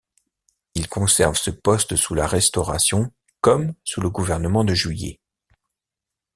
Il conserve ce poste sous la Restauration comme sous le gouvernement de Juillet.